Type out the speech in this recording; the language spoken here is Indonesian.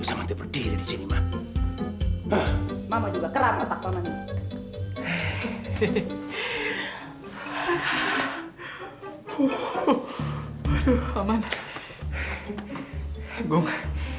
ya macet namanya pak jakarta